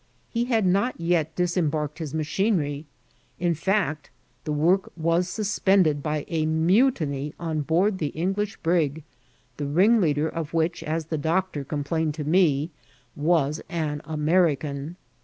He had not yet disembarked his machinery ; in fieu^t, the work was sus pended by a mutiny on board the English brig, the ringleader of which, as the doctor complained to me, was an American.